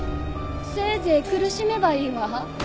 せいぜい苦しめばいいわ。